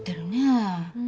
うん。